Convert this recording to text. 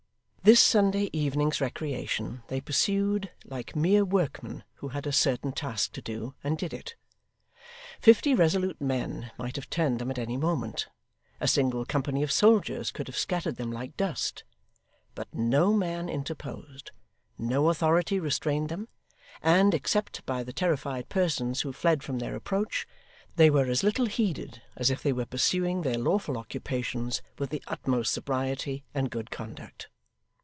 This Sunday evening's recreation they pursued like mere workmen who had a certain task to do, and did it. Fifty resolute men might have turned them at any moment; a single company of soldiers could have scattered them like dust; but no man interposed, no authority restrained them, and, except by the terrified persons who fled from their approach, they were as little heeded as if they were pursuing their lawful occupations with the utmost sobriety and good conduct.